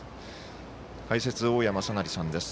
解説、大矢正成さんです。